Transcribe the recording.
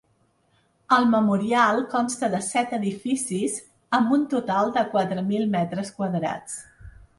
El memorial consta de set edificis, amb un total de quatre mil metres quadrats.